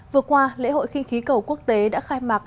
vừa qua lễ hội khinh khí cầu quốc tế đã khai mạc